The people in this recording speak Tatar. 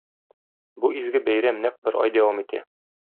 Бу изге бәйрәм нәкъ бер ай дәвам итә.